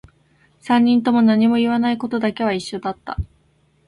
三人とも何も言わないことだけは一緒だった